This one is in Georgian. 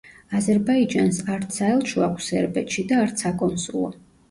აზერბაიჯანს არც საელჩო აქვს სერბეთში და არც საკონსულო.